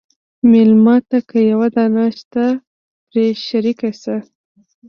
مېلمه ته که یوه دانه شته، پرې شریک شه.